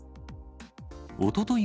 おととい